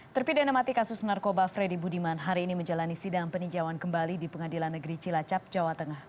terpidana mati kasus narkoba freddy budiman hari ini menjalani sidang peninjauan kembali di pengadilan negeri cilacap jawa tengah